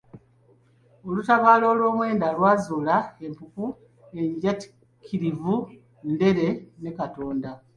Olutabaalo olw'omwenda lwe lwazuula empuku enjatiikirivu Ndere, ne Kakonda.